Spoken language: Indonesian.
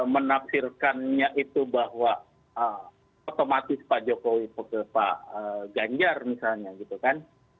menafsirkannya itu bahwa otomatis pak jokowi ke pak ganjar misalnya gitu kan